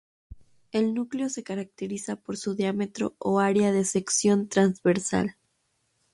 El núcleo se caracteriza por su diámetro o área de sección transversal.